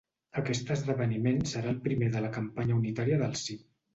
Aquest esdeveniment serà el primer de la campanya unitària del sí.